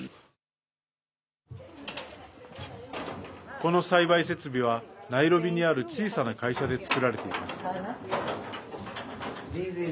この栽培設備はナイロビにある小さな会社で作られています。